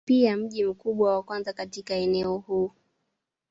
Ni pia mji mkubwa wa kwanza katika eneo huu.